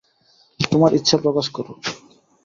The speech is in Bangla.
তোমার ইচ্ছা প্রকাশ করো।